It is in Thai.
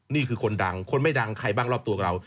นี่คือคนดังคนไม่ดังใครบ้างรอบตัวของเรา